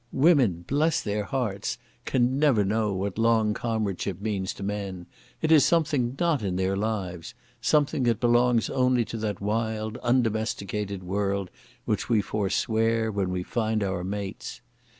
Women, bless their hearts! can never know what long comradeship means to men; it is something not in their lives—something that belongs only to that wild, undomesticated world which we forswear when we find our mates.